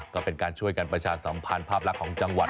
ก็เป็นการช่วยกันประชาสมภารภาพรักของจังหวัด